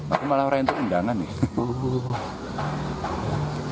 aku malah orang yang terundangan nih